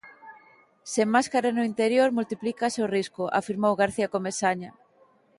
"Sen máscara no interior multiplícase o risco", afirmou García Comesaña.